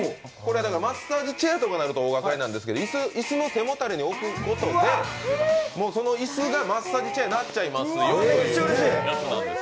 マッサージチェアとかになると大型なんですけど椅子の背もたれに置くことでその椅子がマッサージチェアになっちゃいますよっていうやつです。